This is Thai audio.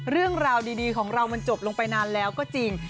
เรื่องราวดีของเรามันจบลงไปนานแล้วก็จริง